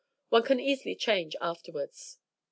One can easily change afterwards."